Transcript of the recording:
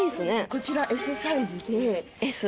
こちらＳサイズで。